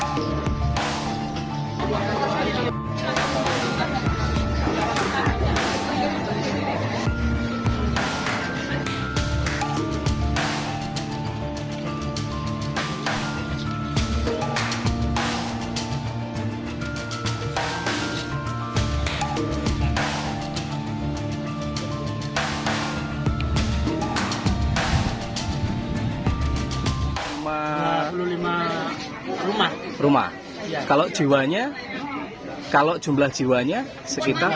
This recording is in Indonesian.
rumah rumah rumah kalau jiwanya kalau jumlah jiwanya sekitar